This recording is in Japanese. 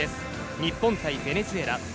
日本対ベネズエラ。